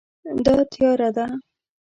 دا تیاره ده